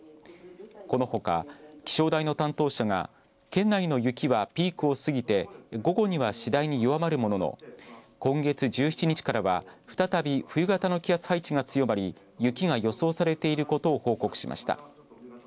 このほか気象台の担当者が県内の雪はピークを過ぎて午後には次第に弱まるものの今月１７日からは再び冬型の気圧配置が強まり雪が予想されていることを報告しました。